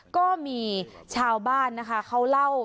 ก็มีชาวบ้านเขาเล่า